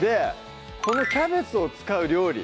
このキャベツを使う料理